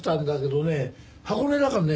箱根だかね